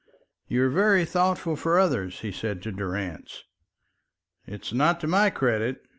"You are very thoughtful for others," he said to Durrance. "It's not to my credit.